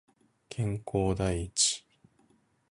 健康第一